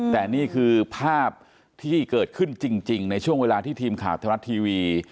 แต่นี่คือภาพที่เกิดขึ้นจริงในช่วงเวลาที่ทีมข่าวธรรมรัฐทีวี